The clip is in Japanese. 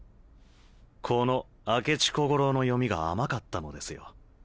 この明智小五郎の読みが甘かったのですよ。